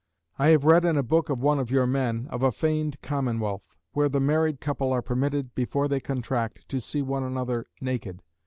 I have read in a book of one of your men, of a Feigned Commonwealth, where the married couple are permitted, before they contract, to see one another naked.